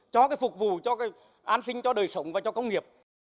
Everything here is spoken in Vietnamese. cho phục vụ cho an sinh cho đời sống và cho công nghiệp